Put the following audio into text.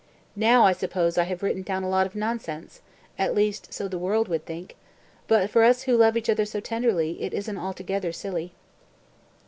Now, I suppose, I have written down a lot of nonsense (at least so the world would think); but for us, who love each other so tenderly, it isn't altogether silly."